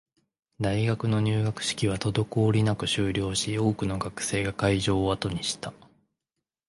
大学の入学式は滞りなく終了し、多くの学生が会場を後にした